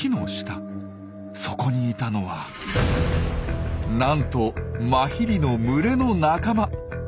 そこにいたのはなんとマヒリの群れの仲間。